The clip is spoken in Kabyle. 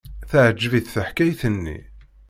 Teɛjeb-it teḥkayt-nni.